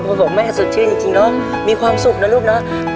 เพราะผมแม่สดชื่นจริงจริงเนอะมีความสุขนะลูกเนอะ